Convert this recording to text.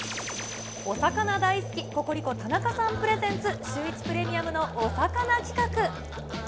お魚大好き、ココリコ・田中さんプレゼンツ、シューイチプレミアムのお魚企画。